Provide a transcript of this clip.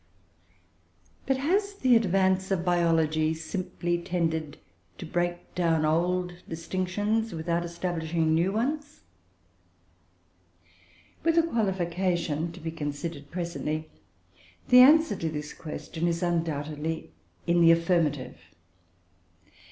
But has the advance of biology simply tended to break down old distinctions, without establishing new ones? With a qualification, to be considered presently, the answer to this question is undoubtedly in the affirmative.